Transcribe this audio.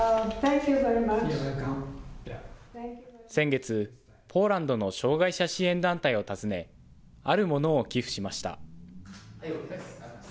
先月、ポーランドの障害者支援団体を訪ね、あるものを寄付しました。